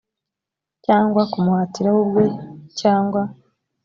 cyangwa kumuhatira we ubwe cyangwa